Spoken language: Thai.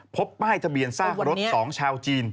พบป้ายทะเบียนซากรถ๒ชาวจีน